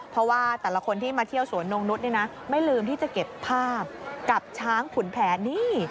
เพราะว่าแต่ละคนที่มาเที่ยวสวนนงนุษย์ไม่ลืมที่จะเก็บภาพกับช้างขุนแผนนี่